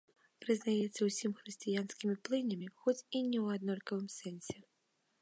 Прызнаецца усімі хрысціянскімі плынямі, хоць і не ў аднолькавым сэнсе.